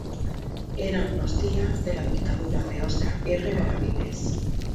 Eran los días de la dictadura de Óscar R. Benavides.